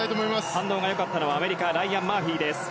反応がよかったのはアメリカライアン・マーフィーです。